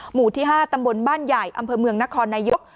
หมู่ที่๕ตำบลบ้านใหญ่อำเภอเมืองนครนายก